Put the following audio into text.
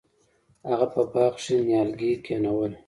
هغه په باغ کې نیالګي کینول.